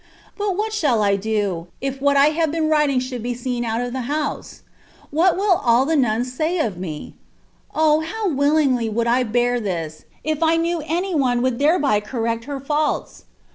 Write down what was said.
But what shall I do, if what I have been writing should be seen out of the house ? What will all the nuns say of me ? O ! how willingly would I bear this, if I knew any one would thereby correct her THE WAY OF PERFECTION". 55 faults !